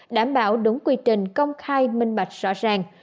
đảm bảo đúng quy trình công khai minh bạch rõ ràng